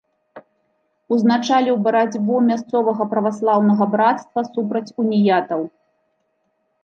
Узначаліў барацьбу мясцовага праваслаўнага брацтва супраць уніятаў.